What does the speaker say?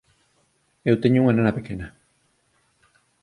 Eu teño unha nena pequena.